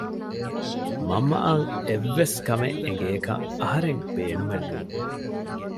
މަންމައަށް އެއްވެސް ކަމެއް އެނގޭކަށް އަހަރެން ބޭނުމެއް ނޫން